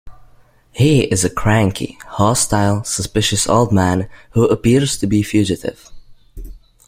He is a cranky, hostile, suspicious old man who appears to be a fugitive.